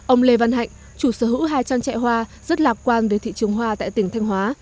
ông lê văn hạnh chủ sở hữu hai trang trại hoa rất lạc quan về thị trường hoa tại tỉnh thanh hóa